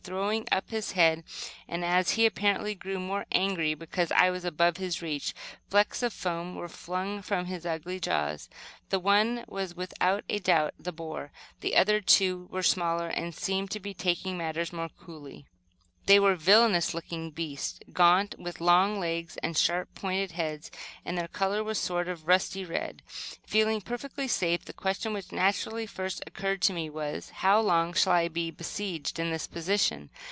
throwing up his head and, as he apparently grew more angry because I was above his reach, flecks of foam were flung from the ugly jaws. This one was, without a doubt, the boar. The other two were smaller, and seemed to be taking matters more coolly. They were villainous looking beasts, gaunt, with long legs and sharp, pointed heads; and their color was a sort of rusty red. Feeling perfectly safe, the question which naturally first occurred to me was, "how long shall I be besieged in this position?"